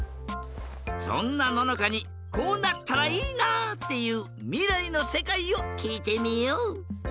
そんなののかにこうなったらいいなっていうみらいのせかいをきいてみよう！